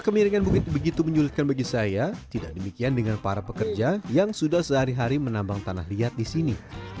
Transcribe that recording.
kemiringan bukit begitu menyulitkan bagi saya tidak demikian dengan para pekerja yang sudah sehari hari menambang tanah liat di sini